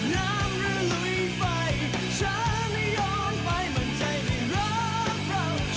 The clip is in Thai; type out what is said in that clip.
เสร็จทางนี้ยังยาวไกลแม้มันอันตราย